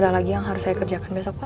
ada lagi yang harus saya kerjakan besok pak